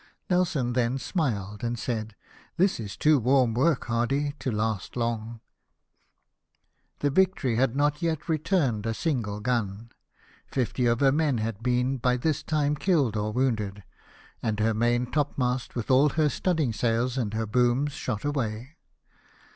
Nelson then smiled, and said, "This is too warm work. Hardy, to last long." 314 LIFE OF NELSON. The Victory liad not yet returned a single gun ; fifty of her men had been by this time killed or wounded, and her main topmast with all her stud ding sails and their booms, shot away.